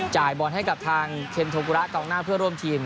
บอลให้กับทางเคนโทกุระกองหน้าเพื่อร่วมทีม